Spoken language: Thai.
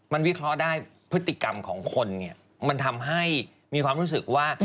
มันวิเคราะห์ได้พฤติกรรมของคนเนี่ยมันทำให้มีความรู้สึกว่า